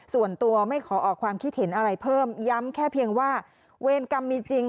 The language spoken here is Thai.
ส่วนตัวไม่ขอออกความคิดเห็นอะไรเพิ่มย้ำแค่เพียงว่าเวรกรรมมีจริง